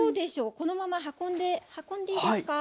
このまま運んで運んでいいですか？